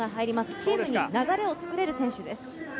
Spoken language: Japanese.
チームに流れを作れる選手です。